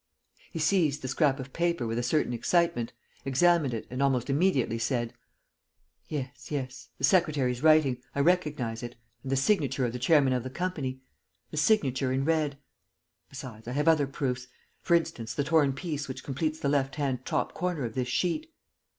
He seized the scrap of paper with a certain excitement, examined it and almost immediately said: "Yes, yes ... the secretary's writing: I recognize it.... And the signature of the chairman of the company: the signature in red.... Besides, I have other proofs.... For instance, the torn piece which completes the left hand top corner of this sheet...."